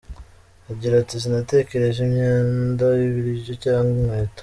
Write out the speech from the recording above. Agira ati “Sinatekereje imyenda, ibiryo cyangwa inkweto.